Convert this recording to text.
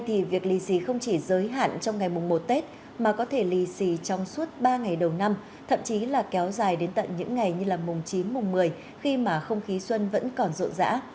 thì việc lì xì không chỉ giới hạn trong ngày mùng một tết mà có thể lì xì trong suốt ba ngày đầu năm thậm chí là kéo dài đến tận những ngày như là mùng chín mùng một mươi khi mà không khí xuân vẫn còn rộn rã